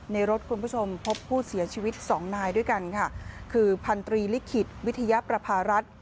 ในรถคุณผู้ชมพบผู้เสียชีวิตสองนายด้วยกันค่ะคือพันธรีลิขิตวิทยาประพารัฐ